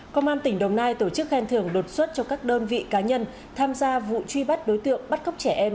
công an tỉnh đồng nai tổ chức khen thưởng đột xuất cho các đơn vị cá nhân tham gia vụ truy bắt đối tượng bắt cóc trẻ em